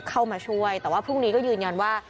เข้ามาช่วยแต่ว่าพรุ่งนี้ก็ยืนยันว่า